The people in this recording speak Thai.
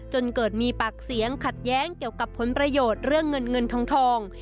จนเกิดมีปากเสียงขัดแย้งเกี่ยวกับผลประโยชน์เรื่องเงินเงินทอง